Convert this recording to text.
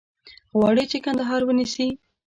غواړي چې کندهار ونیسي.